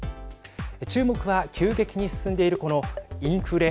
注目は急激に進んでいるこのインフレ。